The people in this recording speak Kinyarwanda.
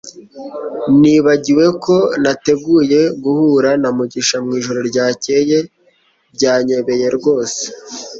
Nibagiwe ko nateguye guhura na Mugisha mwijoro ryakeye - byanyobeye rwose